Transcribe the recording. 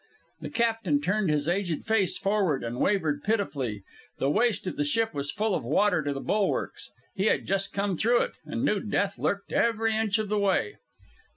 The captain turned his aged face forward and wavered pitifully. The waist of the ship was full of water to the bulwarks. He had just come through it, and knew death lurked every inch of the way.